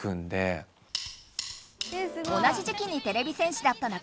同じ時期にてれび戦士だった仲間